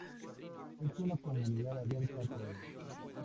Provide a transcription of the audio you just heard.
Es una comunidad abierta a todos.